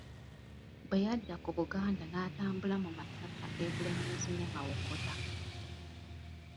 Bwe yadda ku Buganda n'atambula mu masaza e Bulemeezi ne Mawokota.